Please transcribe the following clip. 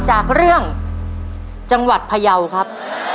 จากเรื่องจังหวัดพยาวครับ